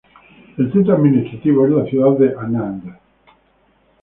El centro administrativo es la ciudad de Anand.